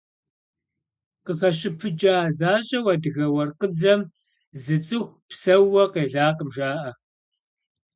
Къыхэщыпыкӏа защӏэу адыгэ уэркъыдзэм зы цӏыху псэууэ къелакъым жаӏэ.